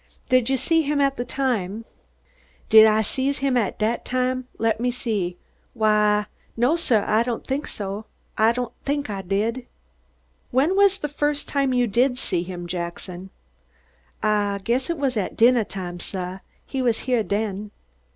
"Did you see him at that time?" "Did Ah see him at dat time? Le'me see? Why, no, suh, Ah don' think Ah did." "When was the first time you did see him, Jackson?" "Ah guess it was at dinnah time, suh. He was heah den."